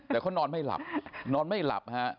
แต่เขานอนไม่หลับ